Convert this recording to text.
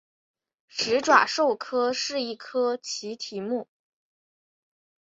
始爪兽科是一科奇蹄目。